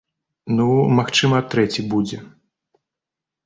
Ну, магчыма трэці будзе.